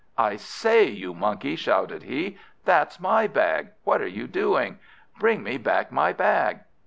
"I say, you Monkey!" shouted he, "that's my bag! What are you doing? bring me back my bag!"